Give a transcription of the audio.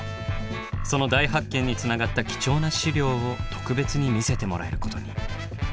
その大発見につながった貴重な資料を特別に見せてもらえることに。